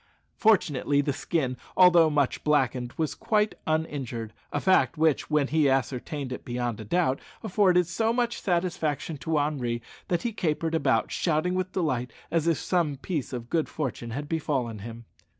Fortunately the skin, although much blackened, was quite uninjured a fact which, when he ascertained it beyond a doubt, afforded so much satisfaction to Henri that he capered about shouting with delight, as if some piece of good fortune had befallen him.